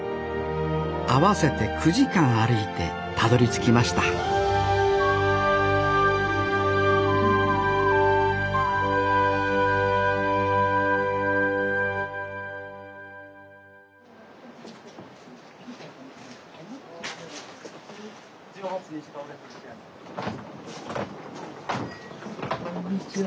合わせて９時間歩いてたどりつきましたこんにちは。